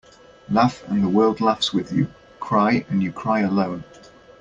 Laugh and the world laughs with you. Cry and you cry alone.